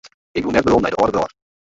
Ik woe net werom nei dy âlde wrâld.